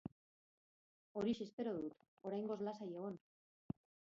Horixe espero dut, oraingoz lasai egon.